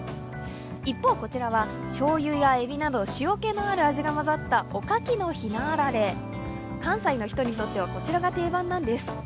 一方、こちらはしょうゆやえびなど塩気のある味が混ざったおかきのひなあられ、関西の人にとってはこちらが定番なんです。